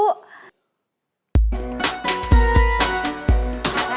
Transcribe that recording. tidak ada masalah